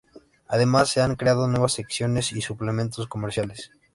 Además, se han creado nuevas secciones y suplementos comerciales.